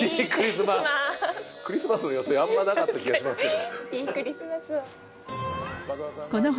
クリスマスの要素あんまなかった気がしますけど。